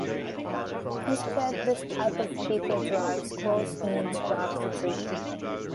Instead this type of vehicle drives close and grabs the tree.